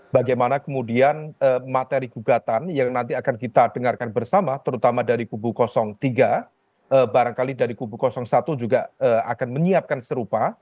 barangkali dari kubu kosong satu juga akan menyiapkan serupa